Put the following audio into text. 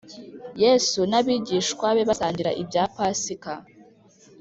Yesu n’abigishwa be basangira ibya Pasika